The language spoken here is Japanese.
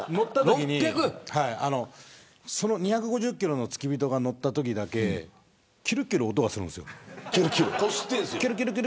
２５０キロの付き人が乗ったときだけキュルキュルと音がするんです。